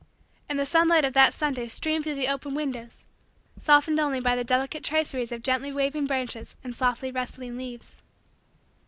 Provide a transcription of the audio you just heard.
And the sunlight of that Sunday streamed through the open windows, softened only by the delicate traceries of gently waving branches and softly rustling leaves.